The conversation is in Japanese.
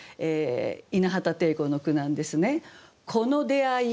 稲畑汀子の句なんですね。